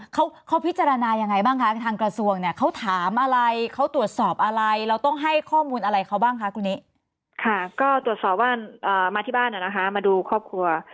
ค่ะก็ตรวจสอบว่ามาที่บ้านมาดูครอบครัว